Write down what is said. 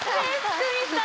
久美さん